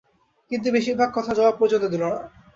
বিন্দু বেশির ভাগ কথার জবাব পর্যন্ত দিল না।